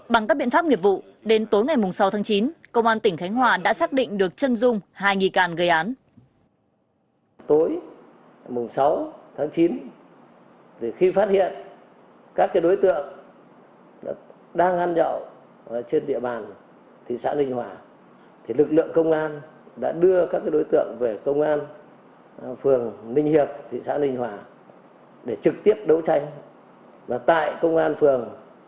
bằng các biện pháp nghiệp vụ đến tối ngày sáu tháng chín công an tỉnh khánh hòa đã xác định được chân dung hai nghi càn gây án